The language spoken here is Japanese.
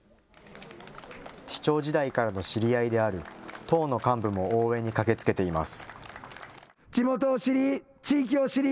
市長時代からの知り合いである党の幹部も応援に駆けつけています。